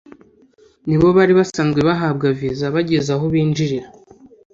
nibo bari basanzwe bahabwa viza bageze aho binjirira